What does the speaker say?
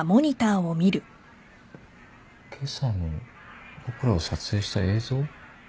今朝の僕らを撮影した映像？